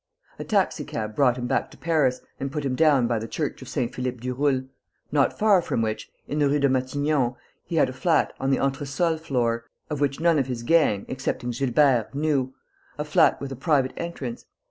A taxicab brought him back to Paris and put him down by the church of Saint Philippe du Roule, not far from which, in the Rue Matignon, he had a flat, on the entresol floor, of which none of his gang, excepting Gilbert, knew, a flat with a private entrance.